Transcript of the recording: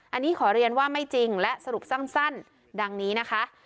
อันนี้ขอเรียนว่าไม่จริงและสรุปสั้นดังนี้นะคะ